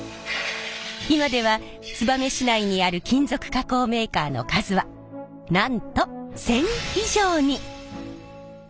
今では燕市内にある金属加工メーカーの数はなんと１，０００以上に！